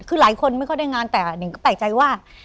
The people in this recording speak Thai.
คือหลายคนไม่ค่อยได้งานแต่หนึ่งก็แปลกใจว่า